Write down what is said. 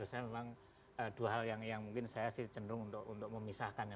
saya memang dua hal yang mungkin saya sih cenderung untuk memisahkan ya